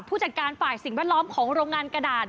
ผู้จัดการฝ่ายสิ่งแวดล้อมของโรงงานกระดาษ